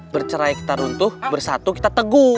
bercerai kita runtuh bersatu kita teguh